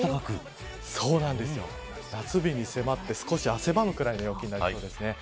夏日に迫って少し汗ばむくらいの陽気になりそうです。